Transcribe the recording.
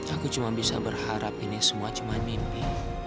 aku cuma bisa berharap ini semua cuma mimpi